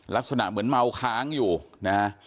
ลักษณะเหมือนเมาค้างอยู่นะฮะ